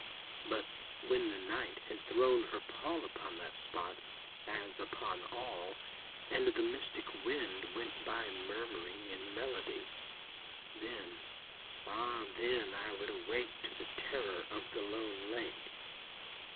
But when the Night had thrown her pall Upon that spot, as upon all, And the mystic wind went by Murmuring in melody— Then—ah then I would awake To the terror of the lone lake.